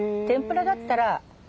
天ぷらだったら。